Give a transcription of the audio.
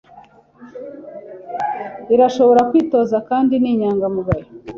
irashobora kwitoza Kandi ni inyangamugayo